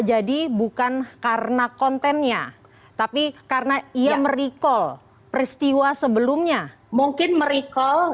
jadi bukan karena kontennya tapi karena ia merikol peristiwa sebelumnya mungkin merikol